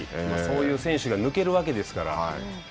そういう選手が抜けるわけですから。